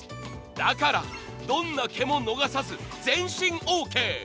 だから、どんな毛も逃さず全身オーケー。